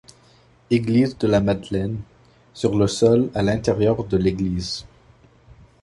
Eglise de la Madeleine : sur le sol à l’intérieur de l’église.